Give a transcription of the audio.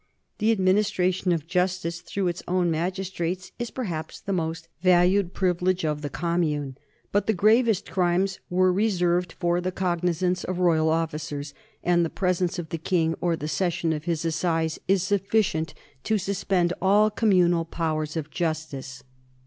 The administration of justice through its own magis trates is perhaps the most valued privilege of the com mune, but the gravest crimes are reserved for the cog nizance of royal officers, and the presence of the king or a session of his assize is sufficient to suspend all com 162 NORMANS IN EUROPEAN HISTORY munal powers of justice.